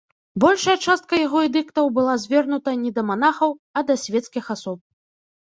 Большая частка яго эдыктаў была звернута не да манахаў, а да свецкіх асоб.